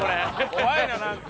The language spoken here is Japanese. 怖いななんか。